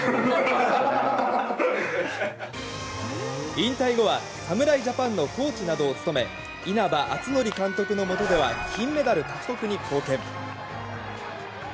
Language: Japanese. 引退後は侍ジャパンのコーチなどを務め稲葉篤紀監督のもとでは金メダル獲得に貢献。